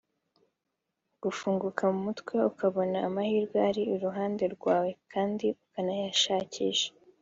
gufunguka mu mutwe ukabona amahirwe ari iruhande rwawe kandi ukanayashakisha